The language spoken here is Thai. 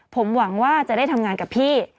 ผมหวังว่าจะได้ทำงานกับพี่